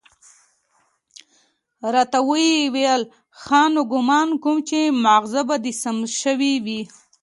راته ويې ويل ښه نو ګومان کوم چې ماغزه به دې سم شوي وي.